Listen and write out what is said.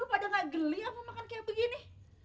ih lu berdua pada gak geli yang mau makan kayak begini